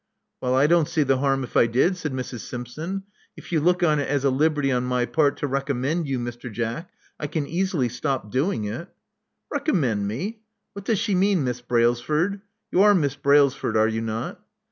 '*Well, I don't see the harm if I did," said Mrs. Simpson. If you look on it as a liberty on my part to recommend you, Mr. Jack, I can easily stop doing it. ''Recommend me! What does she mean. Miss Brailsford? — ^you are Miss Brailsford, are you not?"